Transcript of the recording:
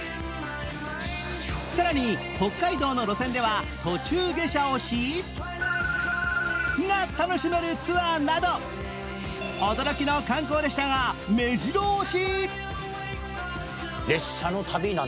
さらに北海道の路線では途中下車をしが楽しめるツアーなど驚きの観光列車がめじろ押し！